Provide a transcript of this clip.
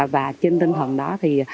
và trên tinh thần đó